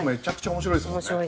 面白いですね。